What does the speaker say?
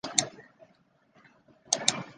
王乃拜辞天地祖宗。